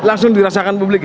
langsung dirasakan publik ya